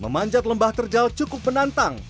memanjat lembah terjal cukup menantang